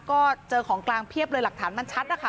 ก็เจอของกลางเพียบเลยหลักฐานมันชัดนะคะ